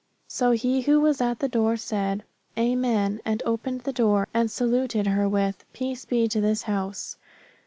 So he who was at the door said, Amen, and opened the door, and saluted her with, Peace be to this house.